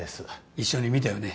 一緒に見たよね